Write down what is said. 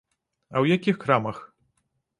А ў якіх крамах?